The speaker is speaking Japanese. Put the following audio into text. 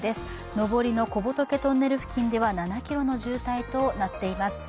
上りの小仏トンネル付近では７ｋｍの渋滞となっています。